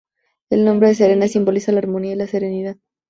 El nombre de "Serena" simboliza la armonía y la serenidad.